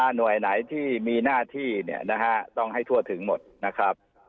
หน่วยไหนที่มีหน้าที่ต้องให้ทั่วถึงหมดนะครับ